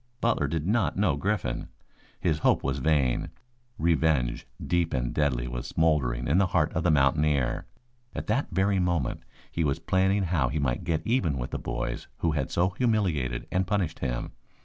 Butler did not know Griffin. His hope was vain. Revenge deep and deadly was smouldering in the heart of the mountaineer. At that very moment he was planning how he might get even with the boys who had so humiliated and punished him.